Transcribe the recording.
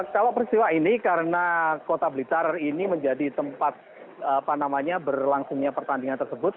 kalau peristiwa ini karena kota blitar ini menjadi tempat berlangsungnya pertandingan tersebut